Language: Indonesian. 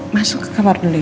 masuk ke kamar dulu